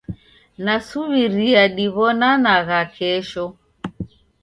Nasuw'iria diw'onanagha kesho.